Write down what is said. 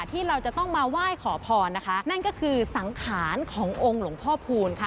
ที่เราจะต้องมาไหว้ขอพรนะคะนั่นก็คือสังขารขององค์หลวงพ่อพูนค่ะ